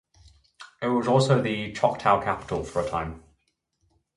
It was also the Choctaw capitol for a time.